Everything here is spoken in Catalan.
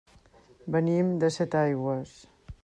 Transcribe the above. Venim de Setaigües.